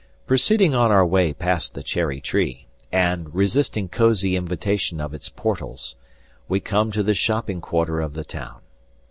Proceeding on our way past the Cherry Tree, and resisting cosy invitation of its portals, we come to the shopping quarter of the town.